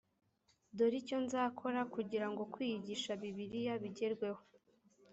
dore icyo nzakora kugira ngo kwiyigisha bibiliya bigerweho